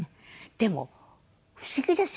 でも不思議ですよ。